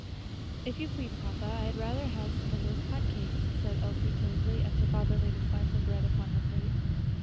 "If you please, papa, I had rather have some of those hot cakes," said Elsie, timidly, as her father laid a slice of bread upon her plate.